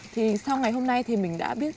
thì sau ngày hôm nay thì mình đã biết